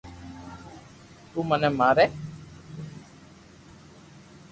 تو مني ماري